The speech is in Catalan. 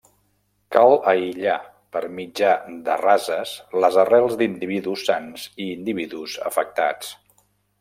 Cal aïllar per mitjà de rases les arrels d'individus sans i individus afectats.